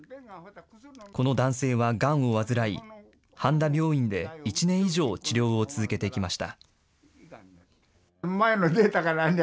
この男性はがんを患い、半田病院で１年以上治療を続けてきました。